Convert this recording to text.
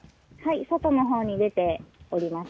外のほうに出ております。